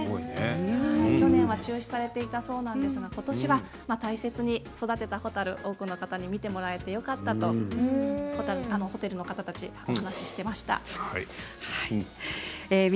去年は中止していたそうですがことしは大切に育てた蛍を多くの方に見てもらえてよかったとホテルの方たちもお話していました。